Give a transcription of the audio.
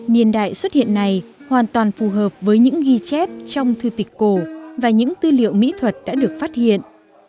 niên đại xuất hiện này hoàn toàn phù hợp với những ghi chép trong thư tịch cổ và những tư liệu mỹ thuật đã được phát hiện